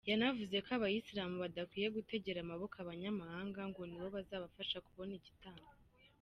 Yanavuze ko abayisilamu badakwiye gutegera amaboko abanyamahanga ngo ni bo bazabafasha kubona igitambo.